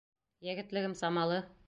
Егетлегем самалы.